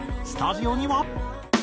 スタジオには。